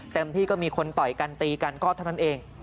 เต็มที่ก็มีคนต่อยกันตีกันก็เท่านั้นเอง